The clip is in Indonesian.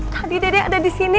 tadi dedek ada disini